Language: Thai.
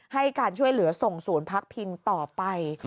ให้การช่วยเหลือส่งศูนย์พักพิงต่อไป